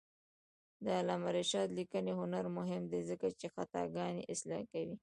د علامه رشاد لیکنی هنر مهم دی ځکه چې خطاګانې اصلاح کوي.